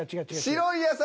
「白い野菜」